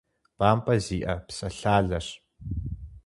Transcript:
БампӀэ зиӀэ псэлъалэщ.